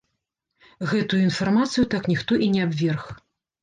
Гэтую інфармацыю так ніхто і не абверг.